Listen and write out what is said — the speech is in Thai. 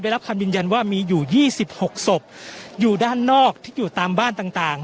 รับคำยืนยันว่ามีอยู่๒๖ศพอยู่ด้านนอกที่อยู่ตามบ้านต่างต่าง